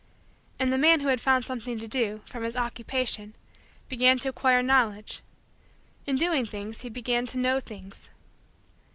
And the man who had found something to do, from his Occupation, began to acquire Knowledge. In doing things, he began to know things.